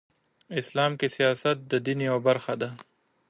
اسلام کې سیاست د دین یوه برخه ده .